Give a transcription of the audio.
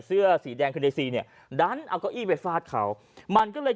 เสื้อสีแดงคือในซีเนี่ยดันเอาเก้าอี้ไปฟาดเขามันก็เลย